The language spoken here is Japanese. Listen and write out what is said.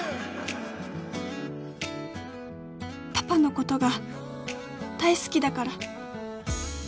「パパのことが大好きだから」